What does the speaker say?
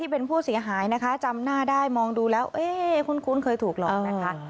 เป็นผู้เสียหายนะคะจำหน้าได้มองดูแล้วเอ๊ะคุ้นเคยถูกหลอกนะคะ